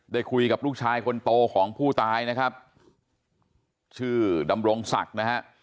ได้คุยกับลูกชายคนโตของผู้ตายนะครับชื่อดำรงศักดิ์นะฮะ